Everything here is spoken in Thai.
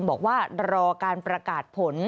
เราการประกาศผล